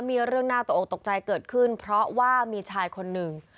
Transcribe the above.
มีเรื่องน่าตกออกตกใจเกิดขึ้นเพราะว่ามีชายคนหนึ่ง